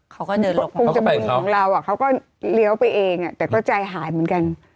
เขาก็เดินลงเข้าไปกับเขาเขาก็เลี้ยวไปเองอ่ะแต่ก็ใจหายเหมือนกัน